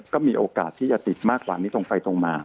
ก็มีโอกาสที่จะติดมากกว่านี้ตรงไปตรงมา